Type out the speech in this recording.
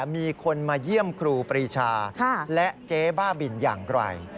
มีคนมาเยี่ยมครูปรีชาและเจ๊บ้าบินอย่างไร